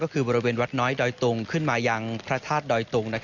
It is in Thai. ก็คือบริเวณวัดน้อยดอยตุงขึ้นมายังพระธาตุดอยตุง